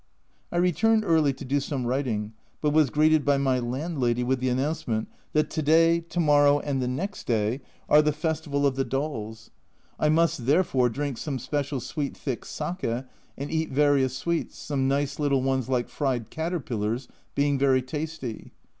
I returned early to do some writing, but was greeted by my landlady with the announcement that to day, to morrow, and the next day are the Festival of the no A Journal from Japan Dolls. I must, therefore, drink some special sweet thick sake and eat various sweets, some nice little ones like fried caterpillars being very tasty.